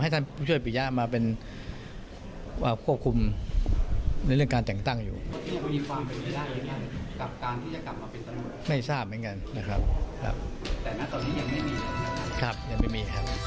ขณะมาตอนนี้